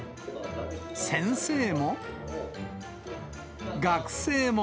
先生も。